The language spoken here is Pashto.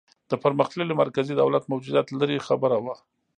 د پرمختللي مرکزي دولت موجودیت لرې خبره وه.